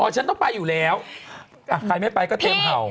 ฉันต้องไปอยู่แล้วใครไม่ไปก็เตรียมเห่า